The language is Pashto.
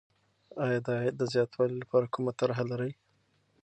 آیا د عاید د زیاتوالي لپاره کومه طرحه لرې؟